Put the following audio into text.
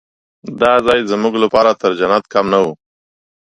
دا ځای زموږ لپاره تر جنت کم نه و.